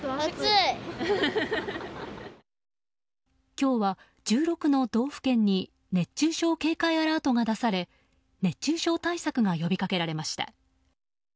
今日は、１６の道府県に熱中症警戒アラートが出され熱中症対策が呼び掛けられました。